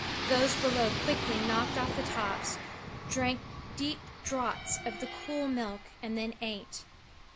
Those below quickly knocked off the tops, drank deep draughts of the cool milk and then ate.